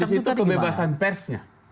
terancam di situ kebebasan persnya